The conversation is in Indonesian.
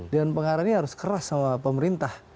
dewan pengarah ini harus keras sama pemerintah